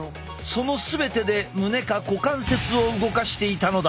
その全てで胸か股関節を動かしていたのだ。